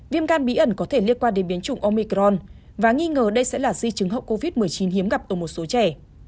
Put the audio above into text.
viêm gan bí ẩn có thể liên quan đến biến chủng omicron và nghi ngờ đây sẽ là di chứng hậu covid một mươi chín hiếm gặp ở một số trẻ